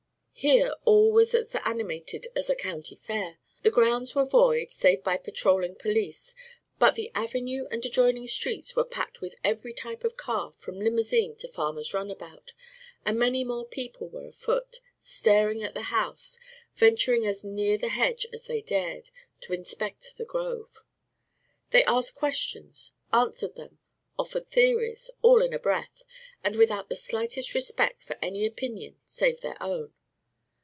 Here all was as animated as a county fair. The grounds were void, save by patrolling police, but the avenue and adjoining streets were packed with every type of car from limousine to farmer's runabout, and many more people were afoot, staring at the house, venturing as near the hedge as they dared, to inspect the grove. They asked questions, answered them, offered theories, all in a breath, and without the slightest respect for any opinion save their own.